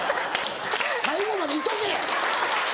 最後までいとけ！